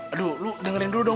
aduh lu dengerin dulu dong